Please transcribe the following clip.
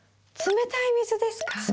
冷たい水ですか？